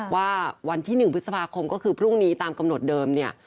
ว่าวันที่๑พฤษภาคมก็คือพรุ่งนี้ตามกำหนดเดิมเนี่ย